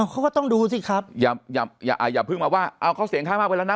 อ๋อเขาก็ต้องดูสิครับอย่าอย่าอย่าอย่าพึ่งมาว่าเอาเขาเสียงค่ามากไปแล้วนะ